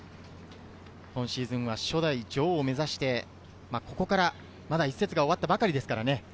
今シーズンは初代女王を目指して、ここから１節が終わったばかりですからね。